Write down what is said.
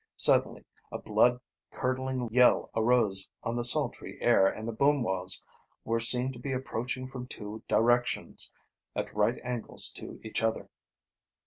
Suddenly a blood curdling yell arose on the sultry air, and the Bumwos were seen to be approaching from two directions, at right angles to each other.